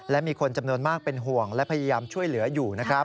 และมีคนจำนวนมากเป็นห่วงและพยายามช่วยเหลืออยู่นะครับ